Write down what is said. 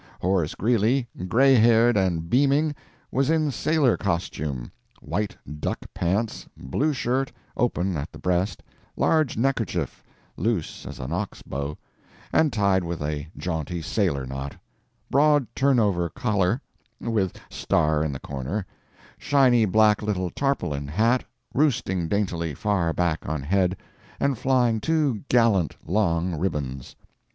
Horace Greeley, gray haired and beaming, was in sailor costume white duck pants, blue shirt, open at the breast, large neckerchief, loose as an ox bow, and tied with a jaunty sailor knot, broad turnover collar with star in the corner, shiny black little tarpaulin hat roosting daintily far back on head, and flying two gallant long ribbons.